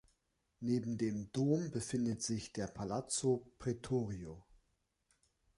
Neben dem Dom befindet sich der "Palazzo Pretorio".